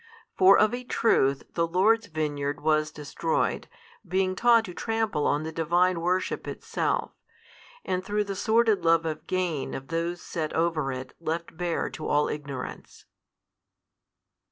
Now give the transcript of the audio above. For of a truth the Lord's vineyard was destroyed, being taught to trample on the Divine worship itself, and through the sordid love of gain of those set over it left bare to all ignorance.